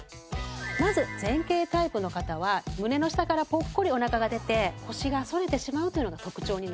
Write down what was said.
まず前傾タイプの方は胸の下からポッコリお腹が出て腰が反れてしまうというのが特徴になります。